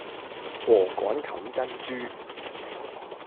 禾稈冚珍珠